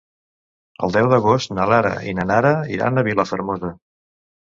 El deu d'agost na Lara i na Nara iran a Vilafermosa.